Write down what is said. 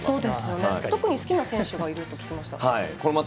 特に好きな選手がいると聞きました。